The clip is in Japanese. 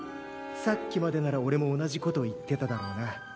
さっきまでならおれも同じこと言ってただろうな。